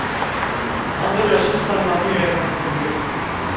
あの時は志津さんの兄上やからこそ身を引いたんです。